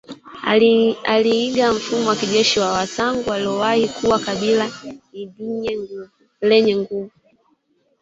Aliiga mfumo wa kijeshi wa wasangu waliowahi kuwa kabila ldnye nguvu